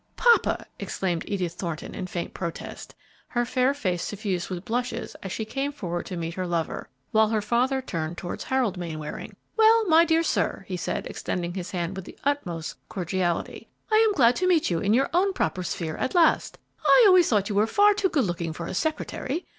"Papa!" exclaimed Edith Thornton in faint protest, her fair face suffused with blushes as she came forward to meet her lover, while her father turned towards Harold Mainwaring. "Well, my dear sir," he said, extending his hand with the utmost cordiality, "I am glad to meet you in your own proper sphere at last; I always thought you were far too good looking for a secretary!